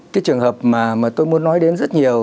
cái trường hợp mà tôi muốn nói đến rất nhiều